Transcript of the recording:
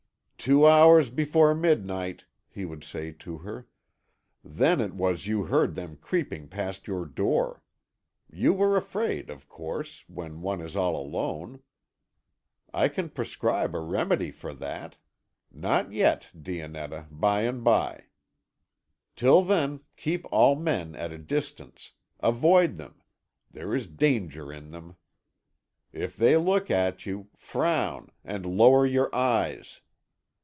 "Two hours before midnight," he would say to her; "then it was you heard them creeping past your door. You were afraid, of course when one is all alone; I can prescribe a remedy for that not yet, Dionetta, by and by. Till then, keep all men at a distance; avoid them; there is danger in them. If they look at you, frown, and lower your eyes.